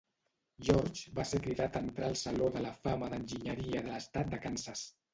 George va ser cridat a entrar al saló de la fama d'enginyeria de l'estat de Kansas.